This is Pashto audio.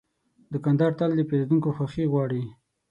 دوکاندار تل د پیرودونکو خوښي غواړي.